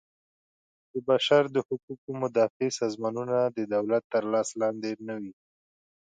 د بشر د حقوقو مدافع سازمانونه د دولت تر لاس لاندې نه وي.